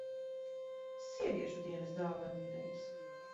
Sieviešu dienas dāvanu idejas.